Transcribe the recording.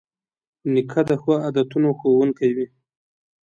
نیکه د ښو عادتونو ښوونکی وي.